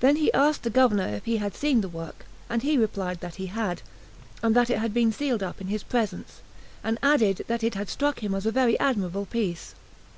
Then he asked the Governor if he had seen the work; and he replied that he had, and that it had been sealed up in his presence, and added that it had struck him as a very admirable piece.